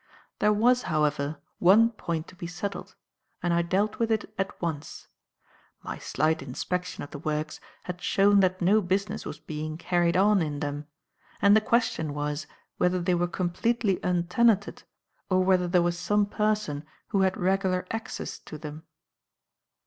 There was, however one point to be settled, and I dealt with it at once. My slight inspection of the works had shown that no business was being carried on in them; and the question was whether they were completely untenanted or whether there was some person who had regular access to them.